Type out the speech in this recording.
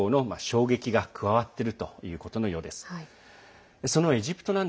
そこにウクライナ侵攻の衝撃が加わっているということのようです。